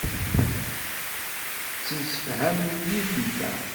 Ttemsefhamen yid-nteɣ.